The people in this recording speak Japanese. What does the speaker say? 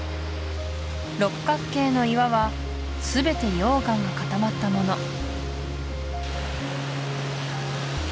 六角形の岩は全て溶岩が固まったもの